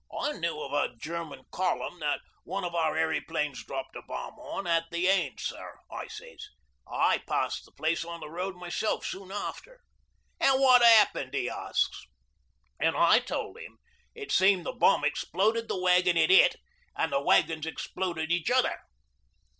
'"I knew of a German column that one of our airyplanes dropped a bomb on, at the Aisne, sir," I sez. "I passed the place on the road myself soon after." '"An' what happened?" he asks, an' I told 'im it seemed the bomb exploded the wagon it hit an' the wagons exploded each other.